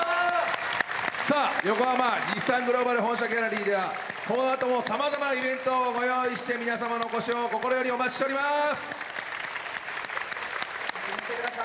さあ、横浜・日産グローバル本社ギャラリーでは、このあともさまざまなイベントをご用意して、皆様のお越しを心よりお待ちしております。